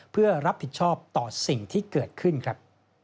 เพื่อรับผิดชอบต่อสิ่งที่เกิดขึ้นครับ